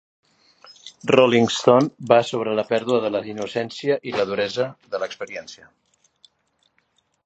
"Rolling Stone" va sobre la pèrdua de la innocència i la duresa de l'experiència.